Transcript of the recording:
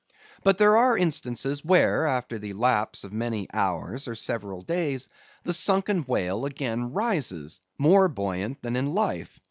But there are instances where, after the lapse of many hours or several days, the sunken whale again rises, more buoyant than in life.